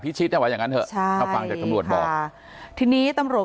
พิชิตนะว่าอย่างนั้นเถอะถ้าฟังจากคำรวจบอกทีนี้ตำรวจ